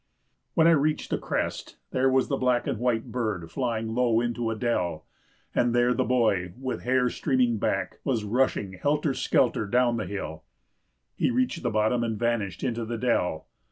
When I reached the crest there was the black and white bird flying low into a dell, and there the boy, with hair streaming back, was rushing helter skelter down the hill. He reached the bottom and vanished into the dell.